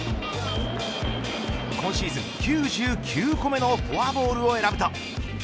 今シーズン、９９個目のフォアボールを選ぶと。